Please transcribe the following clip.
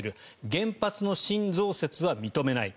原発の新増設は認めない。